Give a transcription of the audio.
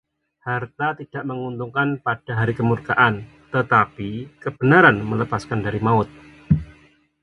Harta tidak menguntungkan pada hari kemurkaan, tetapi kebenaran melepaskan dari maut.